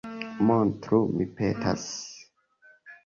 Montru, mi petas.